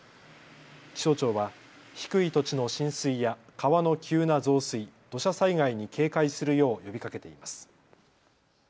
気象庁は低い土地の浸水や川の急な増水、土砂災害に警戒するよう呼びかけています。